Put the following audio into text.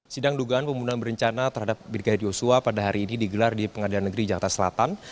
sidang dugaan pembunuhan berencana terhadap brigadir yosua pada hari ini digelar di pengadilan negeri jakarta selatan